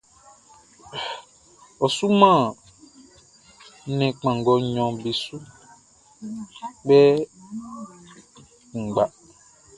Ɔ suman nnɛn kpanngɔ nɲɔn be su kpɛ kunngba.